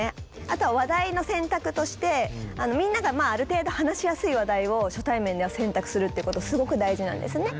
あとは話題の選択としてみんながある程度話しやすい話題を初対面では選択するってことすごく大事なんですね。